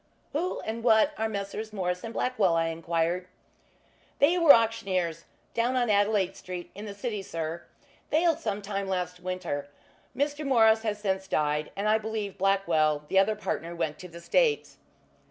"Who and what are Messrs. Morris & Blackwell?" I enquired. "They were auctioneers, down on Adelaide Street, in the city, sir. Failed sometime last winter. Mr. Morris has since died, and I believe Blackwell, the other partner went to the States."